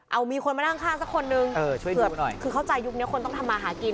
เอามีคนมานั่งข้างสักคนนึงเผื่อไปหน่อยคือเข้าใจยุคนี้คนต้องทำมาหากิน